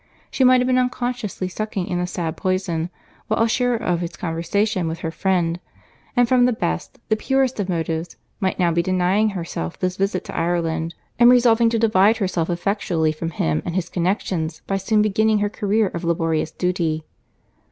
She might have been unconsciously sucking in the sad poison, while a sharer of his conversation with her friend; and from the best, the purest of motives, might now be denying herself this visit to Ireland, and resolving to divide herself effectually from him and his connexions by soon beginning her career of laborious duty.